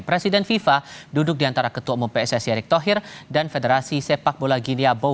presiden fifa duduk di antara ketua umum pssi erick thohir dan federasi sepak bola gini abo